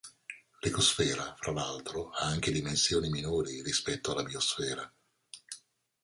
L’"ecosfera", fra l'altro, ha anche "dimensioni" minori rispetto alla "biosfera".